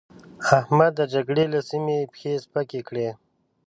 احمد د جګړې له سيمې پښې سپکې کړې.